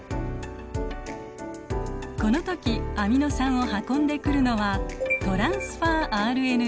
この時アミノ酸を運んでくるのはトランスファーＲＮＡ。